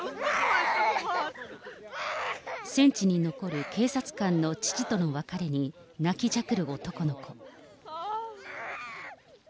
戦地に残る警察官の父との別れに、泣きじゃくる男の子。